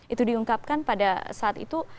itu diungkapkan pada saat itu